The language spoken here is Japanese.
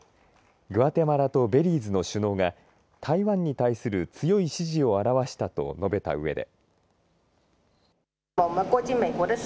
グアテマラとベリーズの首脳が台湾に対する強い支持を表したと述べたうえで。